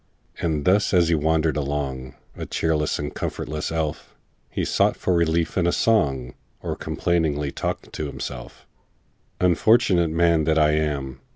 And thus as he wandered along, A cheerless and comfortless elf, He sought for relief in a song, Or complainingly talked to himself:— "Unfortunate man that I am!